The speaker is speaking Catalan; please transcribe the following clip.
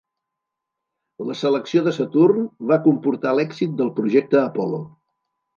La selecció de Saturn va comportar l'èxit del projecte Apollo.